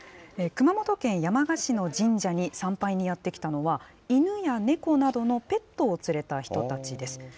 熊本県山鹿市の神社に参拝にやって来たのは、犬や猫などのペットを連れた人たちです。